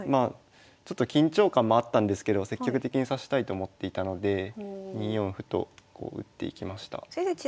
ちょっと緊張感もあったんですけど積極的に指したいと思っていたので２四歩と打っていきました。